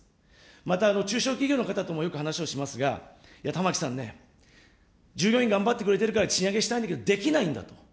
また、中小企業の方ともよく話をしますが、いや、玉木さんね、従業員頑張ってくれてるから賃上げしたいんだけど、できないんだと。